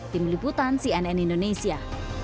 tim liputan cnn indonesia